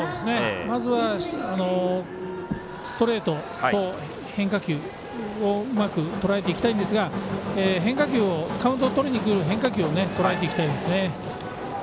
まずはストレートと変化球うまくとらえていきたいんですがカウントを取りにくる変化球をとらえていきたいですね。